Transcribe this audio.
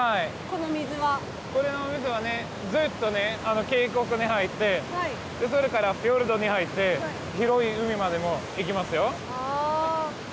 この水はねずっとね渓谷に入ってそれからフィヨルドに入って広い海までも行きますよ。